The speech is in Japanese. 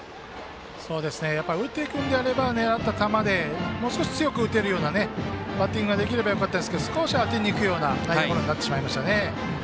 打っていくのであれば狙った球でもう少し強く打てるようなバッティングができればよかったですけど少し当てにいくような内野ゴロになりましたね。